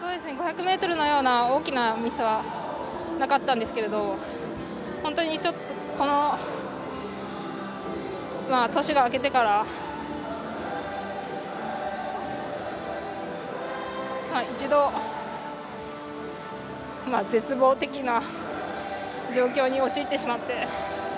５００ｍのような大きなミスはなかったんですけど本当に年が明けてから一度、絶望的な状況に陥ってしまって。